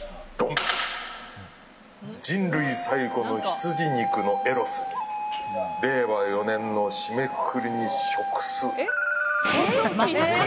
人類最古の羊肉のエロスに令和四年の締めくくりに食す。